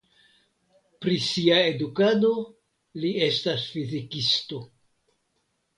Pri sia edukado li estas fizikisto.